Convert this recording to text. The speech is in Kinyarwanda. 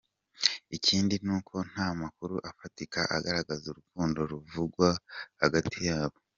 Ikindi ni uko nta makuru afatika agaragaza urukundo ruvugwa hagati yabo .